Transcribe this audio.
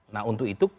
nah untuk itu